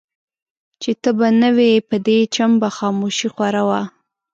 چي ته به نه وې په دې چم به خاموشي خوره وه